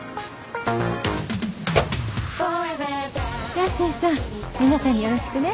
じゃあ清さん皆さんによろしくね。